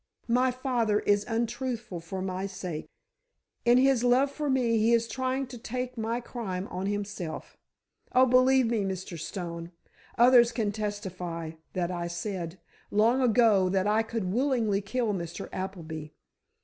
My father is untruthful for my sake. In his love for me he is trying to take my crime on himself. Oh, believe me, Mr. Stone! Others can testify that I said, long ago, that I could willingly kill Mr. Appleby.